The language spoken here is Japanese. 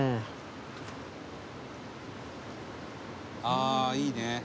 「ああーいいね」